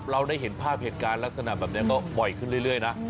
เราได้เห็นภาพเหตุการณ์ลักษณะแบบนี้ก็บ่อยขึ้นเรื่อยนะ